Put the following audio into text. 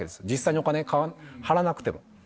実際にお金払わなくても。